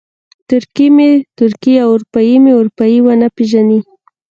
ترکي مې ترکي او اروپایي مې اروپایي ونه پېژني.